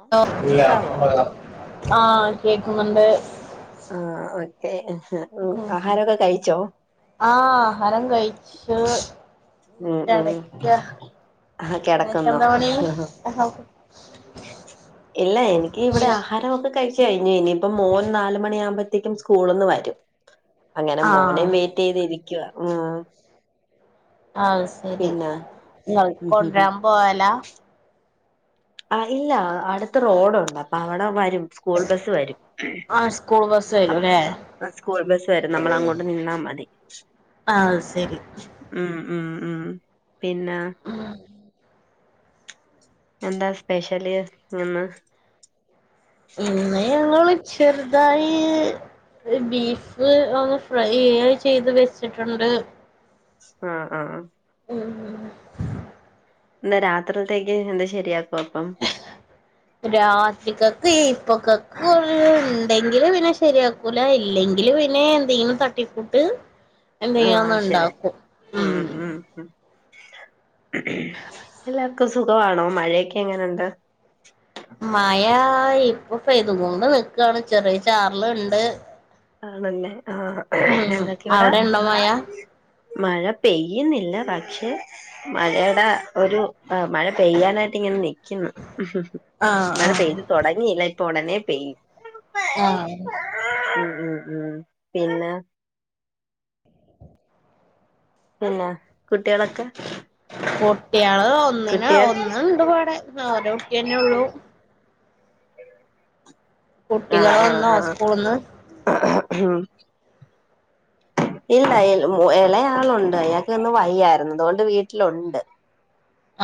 ആ ഇല്ല കേക്കാവോ പറ ആ കേക്കുന്നുണ്ട്. ആഹ് ആഹ് ഓക്കെ ഉം ആഹാരെക്കെ കഴിച്ചോ? ആഹ് ആഹാരം കഴിച്ചു ഉം ഉം കിടക്ക. ആഹ് ഇങ്ങക്ക് കിടക്കുന്നു എന്താ പണി. ഇല്ല എനിക്ക് ഇവിടെ ആഹാരം ഒക്കെ കഴിച്ച് കഴിഞ്ഞു ഇനിയിപ്പം മോൻ നാല് മണി ആവമ്പഴത്തേക്കും സ്കൂളിന്ന് വരും അങ്ങനെ മോനെ ആഹ് വെയ് റ്റ് ഇരിക്കുവ ആഹ് ആഹ് ശരി പിന്നെ ഇങ്ങൾ കൊണ്ടരാൻ പോവലാ? ആഹ് ഇല്ല അടുത്ത് റോഡുണ്ട് അപ്പം അവിടെ വരും സ്കൂൾ ബസ് വരും. ആഹ് സ്കൂൾ ബസ് വരുംല്ലേ അ സ്കൂൾ ബസ് വരും നമ്മൾ അങ്ങോട്ട് നിന്നാ മതി ആഹ് ശരി ഉം ഉം ഉം പിന്നാ [unintelligible] എന്താ സ്പെഷ്യല് ഇന്ന് ഇന്ന് ഞങ്ങള് ചെറുതായി ഒരു ബീഫ് ഒന്ന് ഫ്രൈ ചെയ്ത് ചെയ്ത് വെച്ചിട്ടുണ്ട് അ ആ ആഹ് [inaudible] എന്താ രാത്രിത്തേക്ക് എന്ത് ശരിയാക്കും അപ്പം രാത്രികക്ക് ഇപ്പൊക്കക്കു ഇണ്ടെങ്കില് പിന്നെ ശരിയാക്കൂല ഇല്ലെങ്കില് വെ നെ എന്തെങ്കിലും തട്ടിക്കൂട്ട് എന്തെങ്കിലും ഒന്ന് ആഹ് ശരി ഒണ്ടാക്കും ഉം ഉം ഉം എല്ലാവർക്കും സുഖം ആണോ മഴയെക്കെ എങ്ങനെയൊണ്ട് മയ ഇപ്പം പെയ്തു കൊണ്ട് നിക്കാണ് ചെറിയ ചാറല് ഇണ്ട് ആണല്ലേ ആഹ് ഞങ്ങക്കിവിടെ അവിടെ ഇണ്ടോ മഴ മഴ പെയ്യിന്നില്ല പക്ഷെ മഴയെടെ ഒരു മഴ പെയ്യാനായിട്ട് ഇങ്ങനെ നി ക്കിന്ന് ആഹ് മഴ ആഹ് പെയ്ത് തൊടങ്ങിയില്ല ഇപ്പൊ ഒടനെ പെയ്യും ആഹ് ഉം ഉം ഉം പിന്നാ പിന്ന കുട്ടികളൊക്കെ കുട്ടിയള് ഒന്നിന കുട്ടികൾ ഒന്നുണ്ട് ഇവടെ ഒരു കുട്ടി തന്നെ ഉള്ളൂ ആഹ് കുട്ടികള് വന്നോ ആഹ് സ്കൂള്ന്ന് ആഹ് ആഹ് ഇല്ല ഇ മു ഇളയാളുണ്ട് അയാക്കിന്ന് വയ്യായിരുന്നു അതോണ്ട് വീട്ടിലുണ്ട്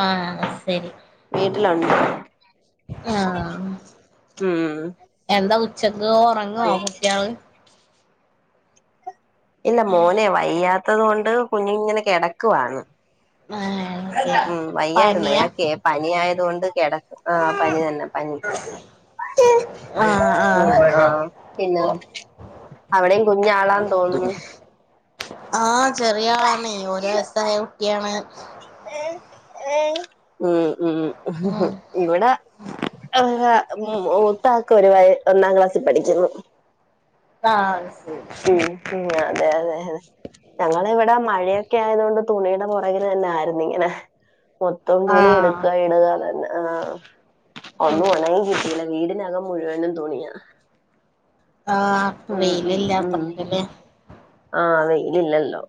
ആഹ് ആഹ് സെരി വീട്ടിലൊണ്ട് ആഹ് ഉം എന്താ ഉച്ചക്ക് ഉറങ്ങുവോ കുട്ടികള് ഇല്ല മോനെ വയ്യാത്തത് കൊണ്ട് കുഞ്ഞ് ഇങ്ങനെ കിടക്കുവാണ് ആഹ് സെരി പനിയാ പനി ആയതുകൊണ്ട് കിടക്ക ആ പനി തന്നെ പനി ഉം ആഹ് പിന്ന അവിടെയും കുഞ്ഞാളാന്ന് തോന്നുന്നു ആഹ് ചെറിയ ആളാണെ ഒരു വയസ്സായ കുട്ടിയാണ് ഉം ഉം ഉം ഇവിടെ [unintelligible] മൂത്താക്ക് ഒരു വയ ഒന്നാം ക്ലാസ്സിൽ പഠിക്കുന്നു ആഹ് ശരി ഉം ഉം അതെ അതെ അതെ ഞങ്ങളിവിടെ മഴയൊക്കെ ആയതു കൊണ്ട് തുണിയുടെ പൊറകിൽ തന്നെ ആയിരുന്നു ഇങ്ങനെ മൊത്തം തുണി ആഹ് എടുക്ക ഇടുക അതന്നെ ആഹ് ഉം ഒന്നും ഉണങ്ങി കിട്ടീല്ല വീടിനകം മുഴുവനും തുണിയാ ആഹ് അപ്പം ഉം ഉം ഉം വെയിലില്ലാത്തപ്പ പിന്നെ ആഹ് വെയിലില്ലല്ലോ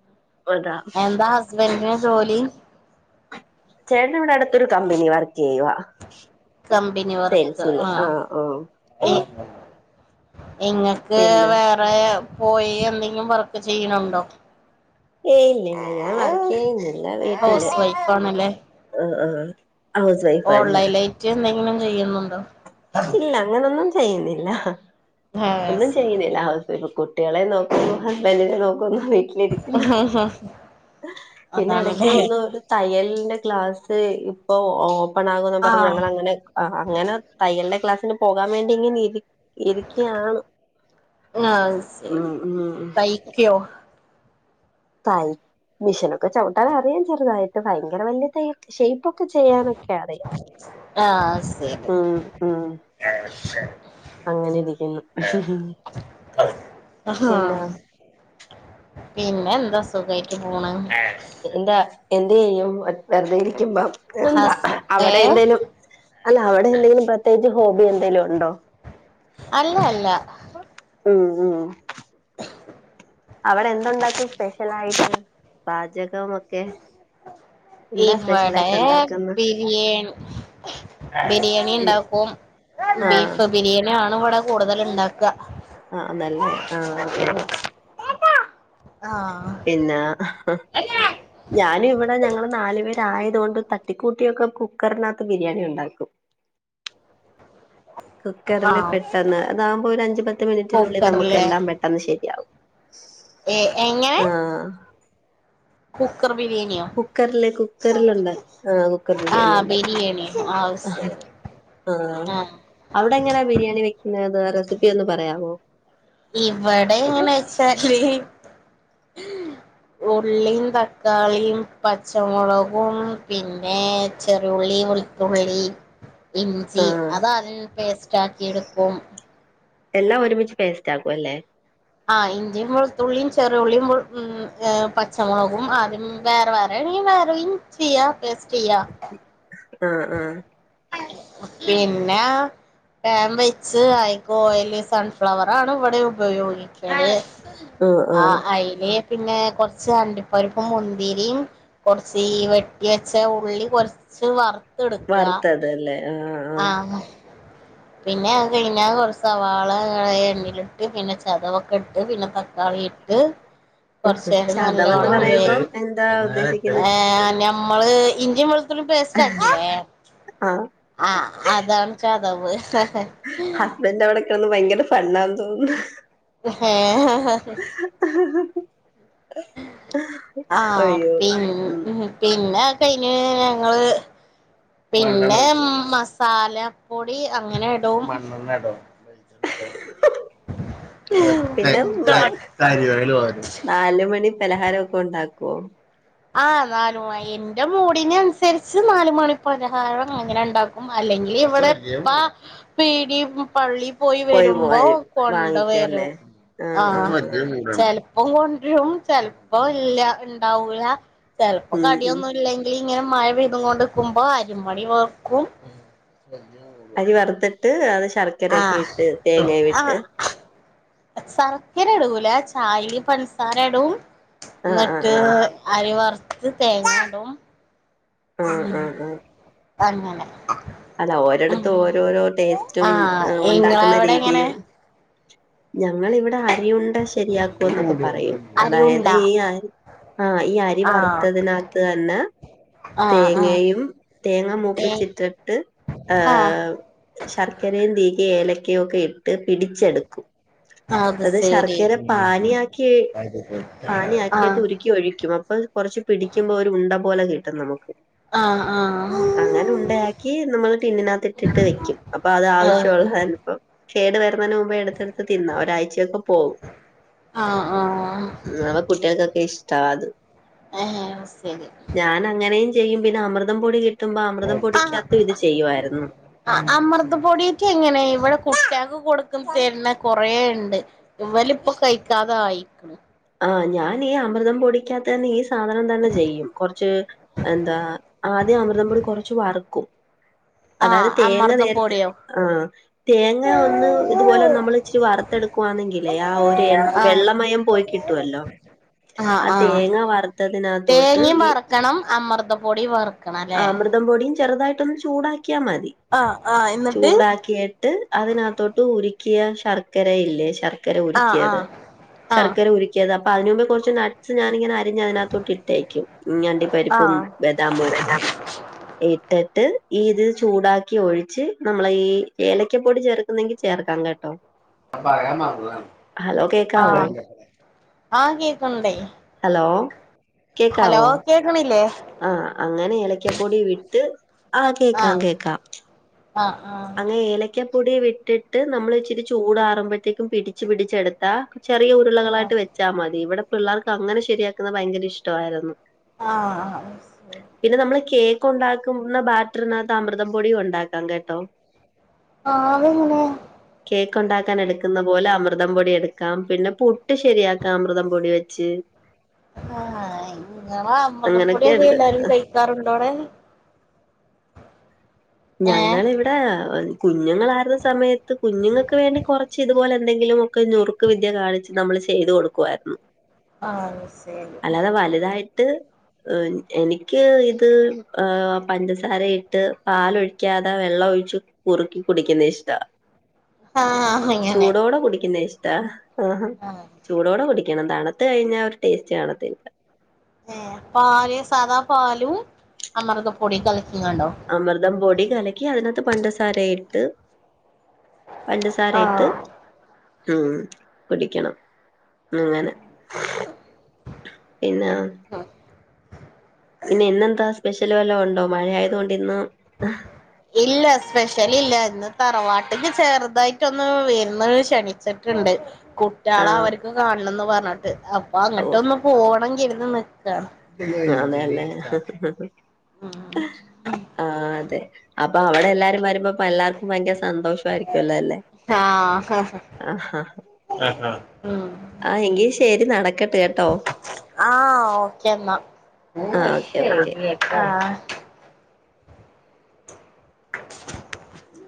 അതാ എന്താ ഹസ്ബൻഡിന് ജോലി ചേട്ടനിവിടെ അടുത്തൊരു കമ്പനി വർക്ക് ചെയ്യുവാ കമ്പനി വർക്ക് ആഹ് എ ആഹ് ഇങ്ങക്ക് പിന്നെ വേറെ പോയി എന്തെങ്കിലും വർക്ക് ചെയ്യണുണ്ടോ ഏയ് ഇല്ലിലില്ല ഞാൻ വർക്ക് ചെയ്യുന്നില്ല വീട്ടില് ഹൗസ് വൈഫ് ആണല്ലേ ആഹ് ആഹ് ആഹ് ഓൺലൈൻലായിറ്റ് എന്തെങ്കിലും ചെയ്യുന്നുണ്ടോ ഇല്ല അങ്ങനൊന്നും ചെയ്യുന്നില്ല ആഹ് ഒന്നും ശരി ചെയ്യുന്നില്ല ഹൗസ് വൈഫ്‌ കു കുട്ടികളെ നോക്കുന്നു ഹസ്ബൻഡിനെ നോക്കുന്നു വി ട്ടിലിരിക്കുന്നു പിന്നെ ഇടക്ക് അതാണല്ലേ ഒന്ന് തയ്യലിന്റെ ക്ലാസ് ഇപ്പൊ ഓപ്പൺ ആകൂന്ന് പറഞ്ഞ് ആഹ് ഞങ്ങളങ്ങനെ അങ്ങനെ തയ്യൽൻ്റെ ക്ലാസിന് പോകാൻ വേണ്ടി ഇങ്ങനിരി ഇരിക്കയാണ് ആഹ് ശരി ഉം ഉം ഉം [unintelligible] തൈ മിഷനൊക്കെ ചവിട്ടാനറിയാം ചെറുതായിട്ട് ഭയങ്കര വലിയ തയ്യ ഷെയ്പ്പൊക്കെ ചെയ്യാനൊക്കെ അറിയാം ആഹ് ശരി ഉം ഉം അങ്ങനെ ഇരിക്കുന്നു ആഹ് പിന്നെ പിന്നെ എന്താ സുഖായിട്ട് പോണ് എന്താ എന്തെയ്യും വെറുതെ ഇരിക്കുമ്പം എന്താ ഹസ് അവിടെ ഏഹ് എന്തേലും അല്ല അവിടെ എന്തെങ്കിലും പ്രത്യേകിച്ച് ഹോബി എന്തെങ്കിലുണ്ടോ അല്ല അല്ല ഉം ഉം [unintelligible] അവിടെ എന്തുണ്ടാക്കും സ്പെഷ്യലായിട്ട് പാചകം ഒക്കെ എന്താ ഇവടെ പിന്നെ ബിരിയാണി ഇണ്ടാക്കും ആഹ് ബീഫ് ബിരിയാണി ആണ് ഇവിടെ കൂടുതലിണ്ടാ ആഹ് നല്ലയാ ആഹ് ആഹ് [unintelligible] ആഹ് പിന്നാ ഞാനും ഇവിടെ ഞങ്ങൾ നാലുപേരായതുകൊണ്ട് തട്ടിക്കൂട്ടിയൊക്കെ കുക്കറിനാത്ത് ബിരിയാണി ഉണ്ടാക്കും കുക്കറില് ആഹ് പെട്ടെന്ന് അതാവുമ്പോ ഒരു അഞ്ചു പത്ത് മിനിറ്റിനുള്ളി കുക്കറില്ലേ നമുക്കെല്ലാം പെ അന്ന് ശെരിയാവും. ഏ എങ്ങനെ കുക്കർ ബിരിയാണിയോ? കുക്കറില്, കുക്കറിലൊണ്ട ആ കുക്കർ ആഹ് ബിരിയാണിയൊണ്ട ബിരിയാണി ആഹ്. ശരി ആ ആഹ് അവിടെങ്ങനാ ബിരിയാണി വെക്കുന്നത്. റെസിപ്പി ഒന്ന് പറയാവോ? ഇവടെ എങ്ങനെച്ചാല് [inaudible] ഉള്ളീം, തക്കാളിയും, പച്ചമൊളകും, പിന്നേ ചെറുള്ളിയും, വെളു തുള്ളീം [inaudible] ഇഞ്ചി ആഹ് അത് ആദ്യം പേസ്റ്റാക്കിഎടുക്കും. എല്ലാം ഒരുമിച്ച് പേസ്റ്റാക്കുവല്ലേ. ആ ഇൻഞ്ചി വെളുത്തുള്ളിയും ചെറുള്ളിയും പച്ചമുളകും ആദ്യം വേറെ വേറെയാണെങ്കി വേറെയും ചെയ്യാം ടേസ്റ്റെയ്യാ ആ ആ പിന്ന പാൻ വെച്ച് അയിക്ക് ഓയില് സൺഫ്ലവറാണ് ഇവിടെ ഉപയോഗിക്കണ്. ആഹ് ആ ആഹ് അയില് പിന്നെ കൊറച്ച് അണ്ടിപ്പരിപ്പും, മുന്തിരീം കൊർച്ച് ഈ വെട്ടിവെച്ച ഉള്ളി കൊർച്ച് വർ വർത്തതല്ലേ ആഹ്. ആഹ്. [inaudible] പിന്നെ അത് കഴിഞ്ഞാ കൊറച്ച് സവാള എണ്ണയിലിട്ട് പിന്നെ ചതവൊക്കെ ഇട്ട്, പിന്നെ തക്കാളിയിട്ട് [inaudible] ചതവെന്ന് കോർച്ചേരംനല്ലോണം വേ പറയുമ്പം എന്താ ഉദ്ദേശിക്കുന്നത് ഏ നമ്മള് ഇഞ്ചിം, വെള്ളുത്തുള്ളീം പേസ്റ്റാക്കില്ലേ ആഹ്. ആ അതാണ് ചതവ്. ഹസ്ബന്റ് അവിടെക്കെടന്ന് ഭയങ്കര ഫണ്ണണെന്ന് തോന്നണ്. ഹേ [unintelligible] [unintelligible] ആ അയ്യോ പി, ഉം പിന്നെ ക്കഴിഞ്ഞയി ഞങ്ങള് പിന്നെ മസാലപ്പൊടി അങ്ങനെടും. [unintelligible] പിന്നെ നാ നാലുമണി പലഹാരൊക്കെ ഒണ്ടാക്കൊ? ആ നാല് മ എന്റെ മൂടിനനുസരിച്ച് നാല് മണി പലഹാരം അങ്ങനെ ഇണ്ടാ ക്കും അല്ലെങ്കിവിടെ പ്പ പീടി പള്ളി പോയി വരുമ്പോ പോവാര് കൊണ്ട് വാങ്ങിക്കുവല്ലേ വരും. ആ ആഹ് ആഹ് ആഹ് ചെല പ്പം കൊണ്ട് രും. ചെലപ്പ ഇല്ല ഇണ്ടാവൂല. ചെലപ്പോ ഉം ഉം കടിയൊന്നുംല്ലങ്കി ഇങ്ങനെ മഴ പെയ്ത്കൊണ്ട്ക്കുമ്പോ അരിമണി വർക്കും. [unintelligible] അരി വറുത്തിട്ട് അത് ശർക്കരൊക്കെ ആഹ് ഇട്ട് തേങ്ങയുംവിട്ട് സർക്കര ഇടൂല ചായേല് പൻസാര ഇടും ആഹ് ആഹ് ന്നിട്ട് ആഹ് അരി വറുത്ത് തേങ്ങടും ആഹ് ഉം ആഹ് ആഹ് അങ്ങനെ. അല്ല ഒരെടത്തും ഉം ഓരോരോ ടേസ്റ്റും ആഹ് ഇങ്ങളെ ഒണ്ടാക്കുന്ന അവിടെ എങ്ങനെ രീതിയും ഞങ്ങളിവിടെ അരിയുണ്ട ശരിയാക്കൂന്നൊക്കെ പറയും. അതായത് അരിയുണ്ടാ ഈ അരി ആ ഈ അരി ആഹ് വറുത്തതിനാത്ത് തന്ന ആഹ് ആഹ് തേങ്ങയും, തേങ്ങ ഏ മൂപ്പിച്ചിട്ടിട്ട് ആ ആഹ് ശർക്കരയും [unintelligible] ഏലക്കയും ഒക്കെ ഇട്ട് പിടിച്ചെട്ക്കും. അത് ശർക്കര പാനീയാക്കി പാനിയാക്കിട്ട് ആഹ് ഉര് ക്യു ഒഴിക്യും അപ്പൊ കൊറച്ച് പിടി ക്യുമ്പോ ഒര് ഉണ്ട പോലെ കിട്ടും നമുക്ക്. ആഹ് ആഹ് അങ്ങനെ ഉണ്ടയാക്കി നമ്മള് ടിന്നിനത്തിട്ടിണ്ട് വെക്യും അപ്പൊ അത് ആഹ് ആവശ്യള്ളപ്പം കേട് വരുന്നതിന് മുൻ എട്ത്തെട്ത്ത് തിന്ന ഒരാഴ്ചയൊക്കെ പോവും. ആഹ് ആഹ് ന്നാമത് കുട്ട്യാൾക്കൊക്കെ ഇഷ്ടവാ അത്. ആഹ് സെരി. ഞാൻ അങ്ങനെയും ചെയ്യും പിന്നെ അമൃതം പൊടി കിട്ടുമ്പോ അമൃതം പൊടിക്യാത്തും ഇത് ചെയ്യുവാരുന്നു. ആ അമൃതം പൊടീക്കെങ്ങനെ ഇവിടെ കുട്ട്യാൾക്ക് കൊട്ക്കും തര്ന്ന കൊറേണ്ട്. ഇവലിപ്പം കയ്ക്കാതായി. ആ ഞാൻ ഈ അമൃതം പൊടി ക്യാത്ത്ന്നെ ഈ സാധനം തന്നെ ചെയ്യും കൊർച്ച് എന്താ ആദ്യം അമൃതംപൊടി കൊർച്ച് വർക്കും ആഹ് അതായത് തേങ്ങ നേര്ത്ത് അമൃതപ്പൊടിയോ ആഹ്. തേങ്ങ ഒന്ന് ഇത്പോലെ നമ്മൾ ഇച്ചിരി വറുത്തെടുക്കുവാന്നെങ്കിലേ ആ ഒരു എൺ ആഹ് വെള്ളമയം പോയി കിട്ട ട്ടുവല്ലോ. ആഹ് ആ ആഹ് തേങ്ങ വറുത്തതിനകത്തോട്ട് തേങ്ങയും ഈ വറക്കണം അമൃതപ്പൊടി വറക്കണം അല്ലേ ആമൃ മൃതം പൊടിയും ചെറുതായിട്ടൊന്ന് ചൂടാക്യാൽ മതി ആഹ് ആഹ് എന്നിട്ട് ചൂടാക്കി ട്ട് അതിനാത്തോട്ട് ഉരുക്കിയ ശർക്കര ഇല്ലേ ശർ ശർക്കര ആഹ് ഉരുക്കിയത് ആഹ് ആഹ് ശർക്കര ഉരുക്കിയത് അപ്പാ അയ്നുമ്പേ കൊർച്ചൊന്നര ഞാനിങ്ങനെ അരിഞ് അതിനകത്തോട്ട് ഇട്ടേക്കും ഇ അണ്ടി പരിപ്പും ബദാംമും ഒക്കെ. ഇട്ടിട്ട് ഈ ഇത് ചൂടാക്കി ഒഴിച്ച് നമ്മള് ഈ ഏലക്കപ്പൊടി ചേർത്ത് ണങ്കി ചേർക്കാം കേട്ടോ. പറയാൻ മറന്നതാണ് ഹലോ കേക്കാവോ ആഹ് ആ കേക്ക്ണ്ടേയ് ഹലോ കേക്കാവോ? കേക്ക്ണില്ലേ? ആ അങ്ങനെ ഏലക്യാപ്പൊടി വിട്ട് ആ കേക്കാം ആഹ് കേക്കാം ആഹ് ആഹ്. അങ്ങനെ ഏലക്കപ്പൊടി വിട്ടിട്ട് നമ്മള് ഇച്ചിരി ചൂടാറുമ്പോഴത്തേക്കും പിടിച്ച് പിടിച്ചെടുത്താ ചെറിയ ആഹ് ഉരുളകളായിട്ട് വെച്ചാ മതി ഇവിടെ പിള്ളേർക്ക് അങ്ങനെ ശരിയാക്ക്ന്നെ ഭയങ്കര ഇഷ്‌ട വായിരുന്നു. ആഹ് ആഹ്. പിന്നെ നമ്മള് കേക്ക് ഉണ്ടാക്കുന്ന ബാറ്ററിനത്ത് അമൃതം പൊടിയും ഉണ്ടാക്കാം കേട്ടോ. ആഹ് അങ്ങനെ? കേക്കുണ്ടാക്കാൻ എട്ക്ക്ന്ന പോലെ അമൃതം പൊടി എട്ക്കാം പിന്നെ പു [unintelligible] ശരിയാക്കാം അമൃതം പൊടി വെച്ച്. ആഹ് ഇങ്ങളഅമൃതപ്പൊടി [unintelligible] അങ്ങനൊക്കെയുണ്ട് എല്ലാരും കഴി [unintelligible] ഞങ്ങളിവിടെ കുഞ്ഞുങ്ങള ല സമയത്ത് കുഞ്ഞുങ്ങൾക്ക് വേണ്ടി കുറച്ച് ഇതുപോലെ എന്തെങ്കിലും ഒക്കെ നുറുക്കു വിദ്യ കാണിച്ച് നമ്മള് ചെയ്ത് കൊടുക്കുവായിരുന്നു. [inaudible] ആഹ് സെരി ട്ട് എനിക്ക് ഇത് ആ പഞ്ചസാരയിട്ട് പാലൊഴിക്കാതെ വെള്ളം ഒഴിച്ച് കുറുക്കി കുടിക്കിന്നേ ഇഷ്ട. ആഹ് അങ്ങനെ ചൂടോടെ കുടിക്കിന്നേ ഇഷ്ടാ. ആഹാ ആഹ് ചൂടോടെ കുടിക്കണം തണ്ത്ത് കയിഞ്ഞാ ഒര്ടേസ്റ്റ് കാണത്തില്ല. ഏ പാല് സാദാ പാലും അമൃതപ്പൊടീം കലക്കീങ്ങാണ്ടോ? അമൃതം പൊടി കലക്കി അതിനത്ത് പഞ്ചസാര ഇട്ട് പഞ്ചസാരയിട്ട് ആഹ് ഉം കുടിക്കണം. അങ്ങനെ പിന്നെ? ആഹ് പിന്നെ ഇന്നെന്താ സ്പെഷ്യല് വല്ലോം ഉണ്ടോ? മഴ ആയത് കൊണ്ട് ഇന്ന്‌. ഇല്ല സ്പെഷ്യൽ ഇല്ല ഇന്ന് തറവാട്ടിൽ ചെറുതായിട്ടൊന്ന് വിരിന്നിന് ക്ഷണി സെറ്റ്ണ്ട് കു [unintelligible] ആഹ് അവര്ക്ക് കാണണംന്ന് പറഞ്ഞിട്ട്. അപ്പൊ ഓ അങ്ങട്ട് ഒന്ന് പോണം കരുതന്ന്. അതെല്ലേ [unintelligible] ഉം. ആ അതെ. അപ്പൊ അവിടെ എല്ലാരും വരുമ്പോ [unintelligible] ഭയങ്കര സന്തോഷ ആയിരിക്കുംല്ലോല്ലേ. ആഹഹ [unintelligible] മം. ശരി നടക്കട്ടെ കേട്ടോ ആ ഓക്കെന്ന. ആ ഓക്കെ ഓക്കെ [unintelligible] ആ [inaudible]